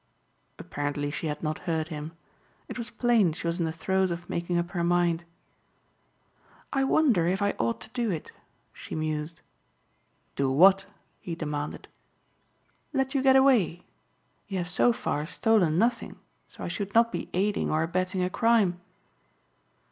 Apparently she had not heard him. It was plain she was in the throes of making up her mind. "I wonder if I ought to do it," she mused. "Do what?" he demanded. "Let you get away. You have so far stolen nothing so I should not be aiding or abetting a crime."